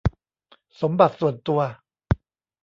สมบัติส่วนตัว